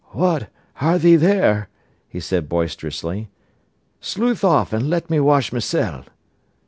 "What, are thee there!" he said boisterously. "Sluthe off an' let me wesh mysen."